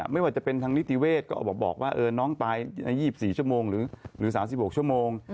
ไม่ว่าจะเป็นทางนิติเวศก็บอกว่าน้องตายใน๒๔ชั่วโมงหรือ๓๖ชั่วโมง